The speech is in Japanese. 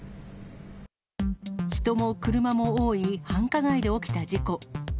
人も車も多い繁華街で起きた事故。